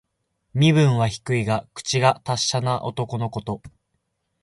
身分は低いが、口が達者な男のこと。